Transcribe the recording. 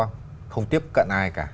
không tiếp cận ai cả